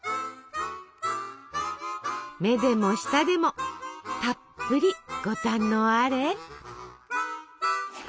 目でも舌でもたっぷりご堪能あれ。